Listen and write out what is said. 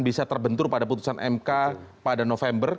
bisa terbentur pada putusan mk pada november